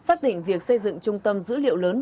sắc định việc xây dựng trung tâm dữ liệu lớn bộ công an